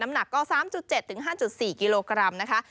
หนักก็๓๗๕๔กิโลกรัมนะคะ